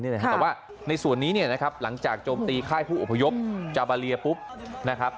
แต่ว่าในส่วนนี้เนี่ยนะครับหลังจากโจมตีค่ายผู้อพยพจาบาเลียปุ๊บนะครับ